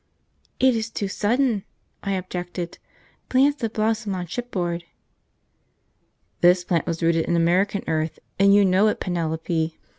"It is too sudden," I objected. "Plants that blossom on shipboard " "This plant was rooted in American earth, and you know it, Penelope.